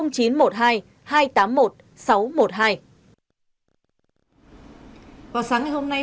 vào sáng ngày hôm nay